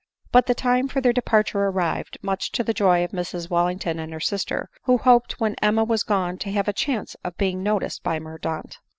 But the time for their departure arrived, much to the joy of Mrs Wallington and her sister, who hoped when Emma was gone to have a chance of being noticed by Mordaunt.